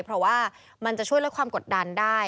เพราะว่ามันจะช่วยลดความกดดันได้